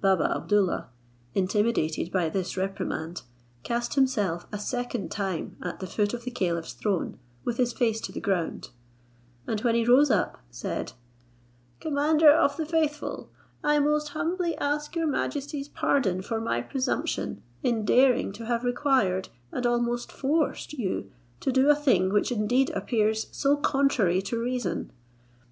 Baba Abdoollah, intimidated by this reprimand, cast himself a second time at the foot of the caliph's throne, with his face to the ground, and when he rose up, said, "Commander of the faithful, I most humbly ask your majesty's pardon for my presumption, in daring to have required, and almost forced you to do a thing which indeed appears so contrary to reason.